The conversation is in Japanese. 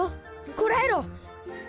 こらえろ！